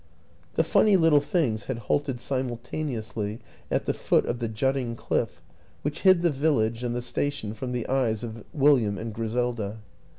The funny little things had halted simultane ously at the foot of the jutting cliff which hid the village and the station from the eyes of Wil liam and Griselda.